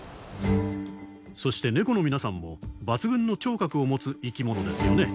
そしてネコの皆さんも抜群の聴覚を持つ生き物ですよね！